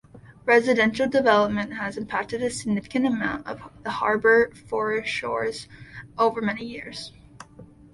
Residential development has impacted a significant amount of the harbour foreshores over many years.